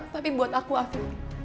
tapi buat aku hafiz